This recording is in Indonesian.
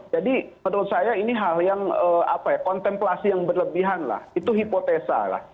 jadi menurut saya ini hal yang kontemplasi yang berlebihan lah itu hipotesa lah